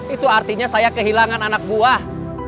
itu artinya saya kehilangan anak buah